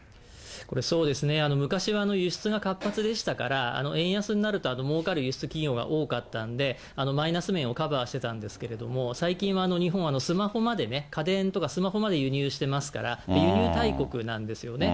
そうですね、昔は輸出が活発でしたから、円安になるともうかる輸出企業が多かったんで、マイナス面をカバーしてたんですけれども、最近は日本、スマホまで、家電とかスマホまで輸入してますから、輸入大国なんですよね。